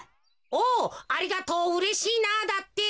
お「ありがとう。うれしいな」だって。